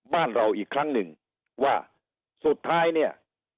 บ้านเราอีกครั้งหนึ่งว่าสุดท้ายเนี่ย